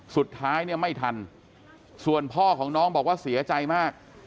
สุดท้ายเนี่ยไม่ทันส่วนพ่อของน้องบอกว่าเสียใจมาก